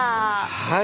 はい！